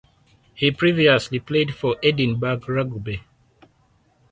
He previously played for Edinburgh Rugby.